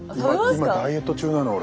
今ダイエット中なの俺。